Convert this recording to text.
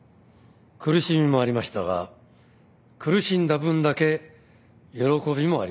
「苦しみもありましたが苦しんだ分だけ喜びもありました」